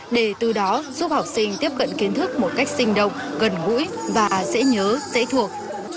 để từ đó giúp học sinh tiếp cận kiến thức một cách sinh động gần gũi và dễ nhớ dễ thuộc